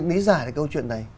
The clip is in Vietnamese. bí giải cái câu chuyện này